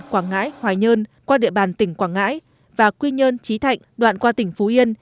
quảng ngãi hòa nhơn qua địa bàn tỉnh quảng ngãi và quy nhơn trí thạnh đoạn qua tỉnh phú yên